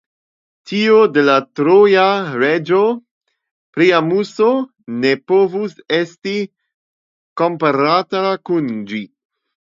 Tiu de la troja reĝo Priamuso ne povus esti komparata kun ĝi.